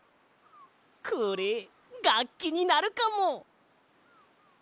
これがっきになるかも！